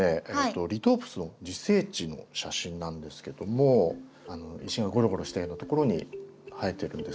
リトープスの自生地の写真なんですけども石がゴロゴロしたようなところに生えてるんです。